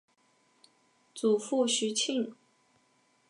祖父徐庆。